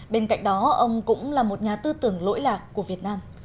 bên cạnh đó ông cũng là một nhà tư tưởng lỗi lạc của việt nam